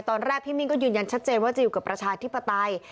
ตอนแรกพี่มิ่งก็ยืนยันชัดเจนว่าจะอยู่กับประชาธิปไตย